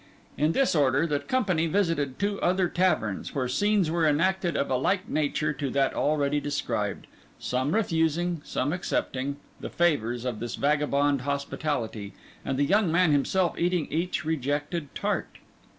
In this order the company visited two other taverns, where scenes were enacted of a like nature to that already described—some refusing, some accepting, the favours of this vagabond hospitality, and the young man himself eating each rejected tart.